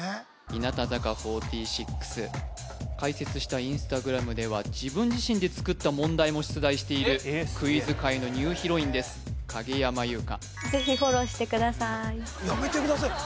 日向坂４６開設したインスタグラムでは自分自身で作った問題も出題しているクイズ界のニューヒロインです影山優佳やめてください